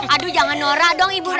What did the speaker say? aduh jangan norah dong ibu